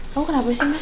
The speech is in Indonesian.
kamu kenapa sih mas